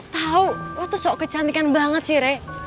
tau lo tuh sok kecantikan banget sih rey